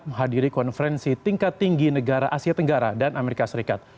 menghadiri konferensi tingkat tinggi negara asia tenggara dan amerika serikat